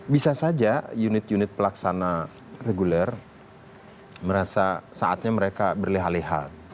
bisa saja unit unit pelaksana reguler merasa saatnya mereka berleha leha